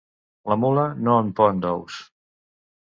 La mula no en pon, d'ous.